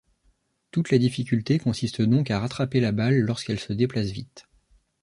Toute la difficulté consiste donc à rattraper la balle lorsqu'elle se déplace vite.